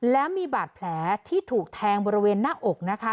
แล้วมีบาดแผลที่ถูกแทงบริเวณหน้าอกนะคะ